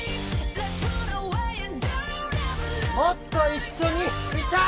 もっと一緒にいたーい！